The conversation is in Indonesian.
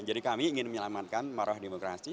jadi kami ingin menyelamatkan marah demokrasi